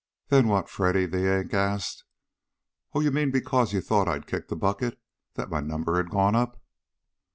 "Then what, Freddy?" the Yank asked. "Oh! You mean because you thought I'd kicked the bucket? That my number had gone up?"